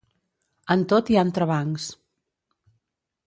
En tot hi ha entrebancs.